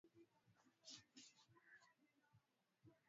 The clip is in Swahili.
Anaweza kuongea kizungu vizuri sana